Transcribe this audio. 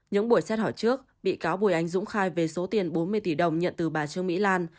những buổi xét hỏi trước bị cáo bùi anh dũng khai về số tiền bốn mươi tỷ đồng nhận từ bà trương mỹ lan